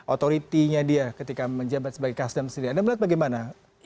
otoritinya dia ketika menjabat sebagai kasdam sendiri anda melihat bagaimana